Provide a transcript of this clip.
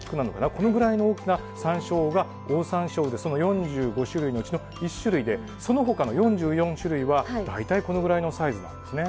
このぐらいの大きなサンショウウオがオオサンショウウオでその４５種類のうちの１種類でそのほかの４４種類は大体このぐらいのサイズなんですね。